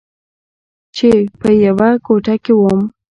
چې په يوه کوټه کښې وم.